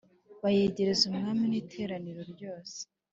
bayegereza umwami n iteraniro ryose